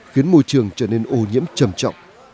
khiến môi trường trở nên ô nhiễm trầm trọng